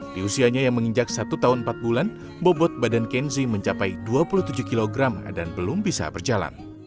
di usianya yang menginjak satu tahun empat bulan bobot badan kenzi mencapai dua puluh tujuh kg dan belum bisa berjalan